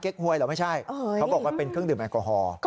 หวยเหรอไม่ใช่เขาบอกว่าเป็นเครื่องดื่มแอลกอฮอล์